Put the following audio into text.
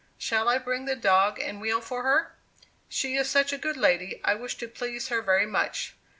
Shall I bring the dog and wheel for her? She is such a good lady, I wish to please her very much."